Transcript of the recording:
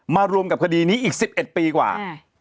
รวมกับคดีนี้อีก๑๑ปีกว่า